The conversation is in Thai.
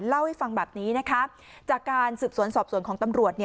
เล่าให้ฟังแบบนี้นะคะจากการสืบสวนสอบสวนของตำรวจ